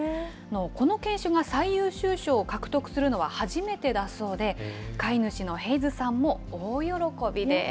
この犬種が最優秀賞を獲得するのは初めてだそうで、飼い主のヘイズさんも大喜びです。